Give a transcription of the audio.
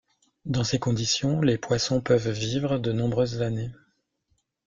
Dans ces conditions, les poissons peuvent vivre de nombreuses années.